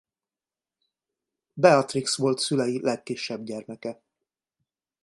Beatrix volt szülei legkisebb gyermeke.